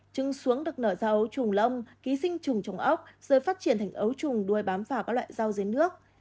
trứng xuống được nở ra ấu trùng lông ký sinh trùng trong ốc rồi phát triển thành ấu trùng đuôi bám vào các loại rau dế nước